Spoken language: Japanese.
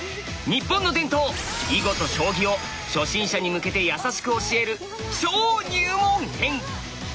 日本の伝統囲碁と将棋を初心者に向けてやさしく教える超入門編！